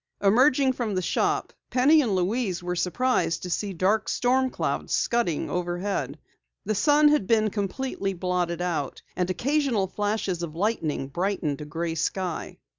Emerging from the shop, Penny and Louise were surprised to see dark storm clouds scudding overhead. The sun had been completely blotted out and occasional flashes of lightning brightened a gray sky.